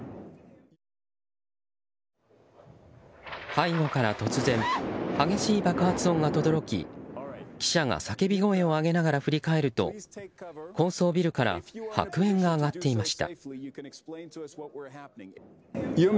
背後から突然激しい爆発音が轟き記者が叫び声を上げながら振り返ると高層ビルから白煙が上がっていました。